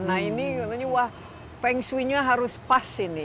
nah ini wah feng shui nya harus pas ini